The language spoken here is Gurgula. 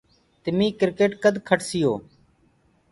تمي ڪريٽ ڪد کٽسيو؟